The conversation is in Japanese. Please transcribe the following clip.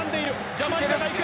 ジャマイカがいく。